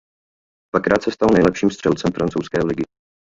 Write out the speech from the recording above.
Dvakrát se stal nejlepším střelcem francouzské ligy.